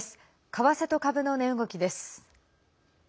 為替と株の値動きです。